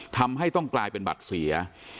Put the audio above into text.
ทำให้ต้องกลายเป็นบัตรเสีย